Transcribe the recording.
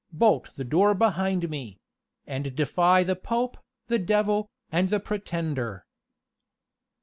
Bolt the door behind me; and defy the Pope, the Devil, and the Pretender!"